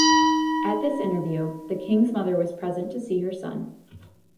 At this interview, the king's mother was present to see her son.